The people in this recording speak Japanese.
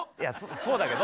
そうだけど。